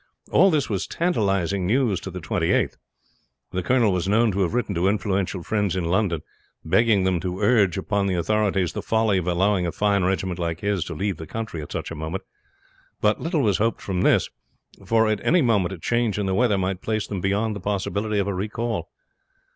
All this was tantalizing news to the Twenty eighth. The colonel was known to have written to influential friends in London, begging them to urge upon the authorities the folly of allowing a fine regiment like his to leave the country at such a moment. But little was hoped from this, for at any moment a change in the weather might place them beyond the possibility of a recall.